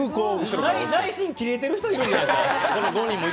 内心、キレてる人いるんじゃないですか。